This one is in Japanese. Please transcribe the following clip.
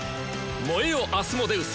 燃えよアスモデウス！